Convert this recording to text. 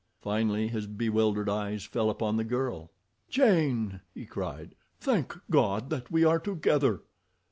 Finally his bewildered eyes fell upon the girl. "Jane!" he cried. "Thank God that we are together!"